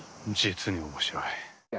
実に面白い。